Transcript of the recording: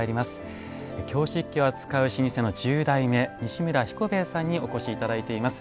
京漆器を扱う老舗の十代目西村彦兵衛さんにお越し頂いています。